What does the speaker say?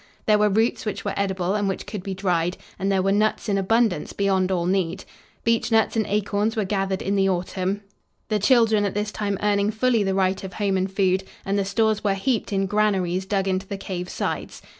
There were roots which were edible and which could be dried, and there were nuts in abundance, beyond all need. Beechnuts and acorns were gathered in the autumn, the children at this time earning fully the right of home and food, and the stores were heaped in granaries dug into the cave's sides.